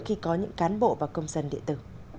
khi có những cán bộ và công dân địa tử